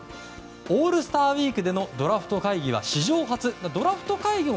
オールスターウィークでのドラフト会議は史上初。